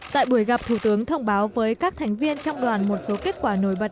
tại buổi gặp thủ tướng thông báo với các thành viên trong đoàn một số kết quả nổi bật